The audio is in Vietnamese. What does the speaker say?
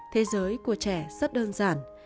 thế giới của trẻ rất đơn giản